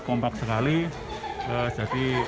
kompak sekali ke jadi